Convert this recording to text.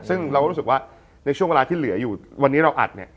ซึ่งเราก็รู้สึกว่าในช่วงเวลาที่เหลืออยู่วันนี้เราอัดเนี่ย